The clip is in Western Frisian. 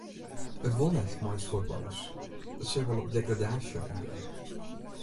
It wol net mei ús fuotballers, it sil wol op degradaasje oangean.